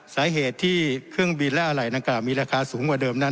สาเหตุที่เครื่องบินและอะไหล่นางกล่าวมีราคาสูงกว่าเดิมนั้น